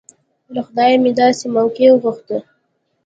له خدايه مې داسې موقع غوښته.